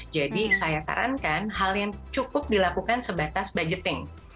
jadi saya sarankan hal yang cukup dilakukan sebatas budgeting